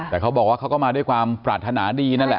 แต่เขาบอกว่าเขาก็มาด้วยความปรารถนาดีนั่นแหละ